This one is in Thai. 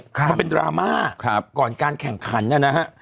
ครับเพราะเป็นดราม่าครับก่อนการแข่งขันเนี่ยนะฮะ